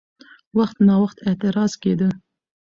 وخت ناوخت اعتراض کېده؛